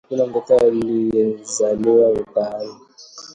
Hakuna mtoto aliyezaliwa mtaani,